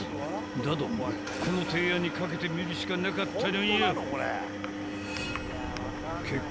［だどもこの提案にかけてみるしかなかったのよ］